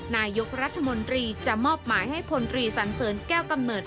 นายกรัฐมนตรีจะมอบหมายให้พลตรีสันเสริญแก้วกำเนิด